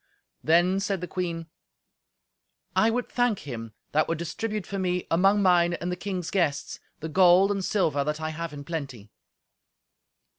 Then said the queen, "I would thank him that would distribute for me, among mine and the king's guests, the gold and silver that I have in plenty."